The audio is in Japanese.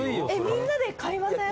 みんなで買いません？